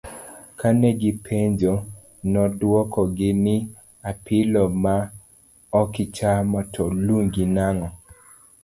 Kane gi penje, noduoko gi ni apilo ma okichamo to lungi nang'o?